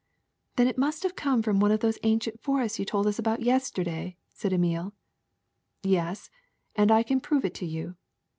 ''Then it must have come from one of those ancient forests you told us about yesterday," said Emile. "Yes, and I can prove it to you.